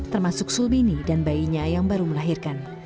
termasuk sulmini dan bayinya yang baru melahirkan